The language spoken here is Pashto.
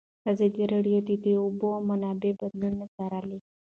ازادي راډیو د د اوبو منابع بدلونونه څارلي.